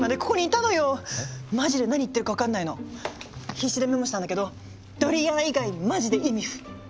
必死でメモしたんだけどドリアン以外マジでイミフ！